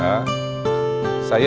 saya akan panggil developernya